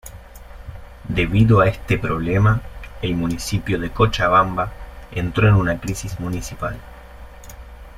Debido a este problema el municipio de Cochabamba entró en una crisis municipal.